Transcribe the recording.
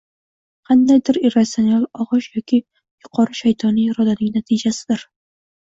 qandaydir irratsional og‘ish yoki yuqori shaytoniy irodaning natijasidir.